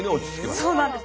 そうなんです。